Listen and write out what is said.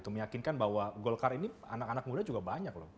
meyakinkan bahwa golkar ini anak anak muda juga banyak loh